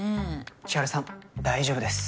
千晴さん大丈夫です。